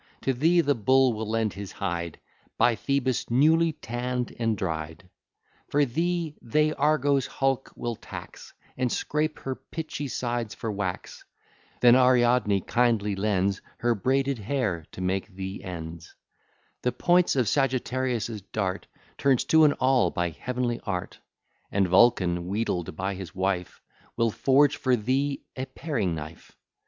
To thee the Bull will lend his hide, By Phoebus newly tann'd and dry'd; For thee they Argo's hulk will tax, And scrape her pitchy sides for wax: Then Ariadne kindly lends Her braided hair to make thee ends; The points of Sagittarius' dart Turns to an awl by heavenly art; And Vulcan, wheedled by his wife, Will forge for thee a paring knife.